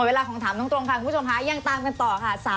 เวลาของถามตรงค่ะคุณผู้ชมค่ะยังตามกันต่อค่ะ